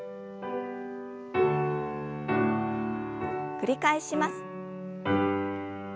繰り返します。